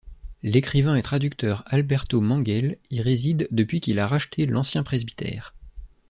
L'écrivain et traducteur Alberto Manguel y réside depuis qu'il a racheté l'ancien presbytère.